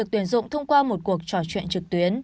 tuyển dụng thông qua một cuộc trò chuyện trực tuyến